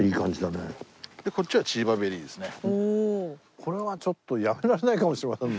これはちょっとやめられないかもしれませんね。